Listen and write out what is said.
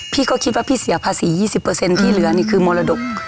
พี่ก็คิดว่าพี่เสียภาษี๒๐ที่เหลือนี่คือมรดก